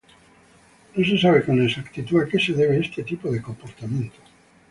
No se sabe con exactitud a que se debe este tipo de comportamiento.